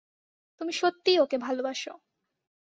তুমি সত্যিই ওকে ভালোবাসো।